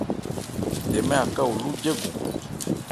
Tɛmɛ Aká oló jɛ́gɔn.